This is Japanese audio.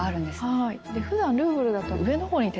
はい。